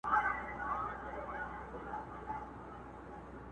ستړي به پېړۍ سي چي به بیا راځي اوبه ورته!